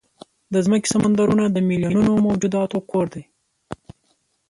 د مځکې سمندرونه د میلیونونو موجوداتو کور دی.